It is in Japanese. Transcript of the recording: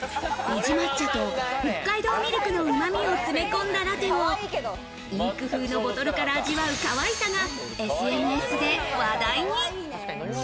宇治抹茶と北海道ミルクのうまみを詰め込んだラテを、インク風のボトルから味わう可愛さが、ＳＮＳで話題に。